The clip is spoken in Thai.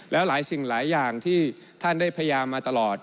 แล้วหลายสิ่งหลายอย่างที่ท่านได้พยายามมาตลอด